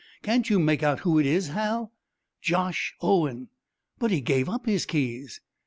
Can't you make out who it is, Hal?" "Josh Owen! But he gave up his keys."